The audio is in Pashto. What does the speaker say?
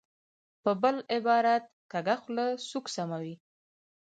په بل عبارت، کږه خوله سوک سموي.